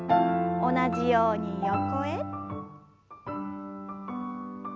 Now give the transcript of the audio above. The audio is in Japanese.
同じように横へ。